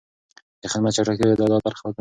د خدمت چټکتيا يې د عدالت برخه بلله.